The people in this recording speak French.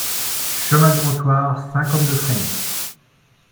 Chemin du Rotoir, Saint-Côme-de-Fresné